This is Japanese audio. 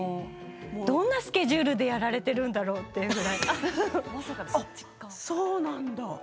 どんなスケジュールでやられているんだろうというそうなんだ。